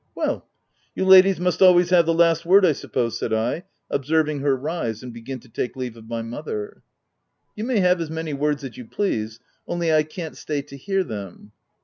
" Well ! you ladies must always have the last OF WILDFELL HALL. 59 word, I suppose," said I, observing her rise, and begin to take leave of my mother. " You may have as many words as you please, — only I can't stay to hear them."